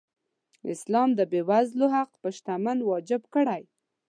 اسلام د بېوزلو حق په شتمن واجب کړی.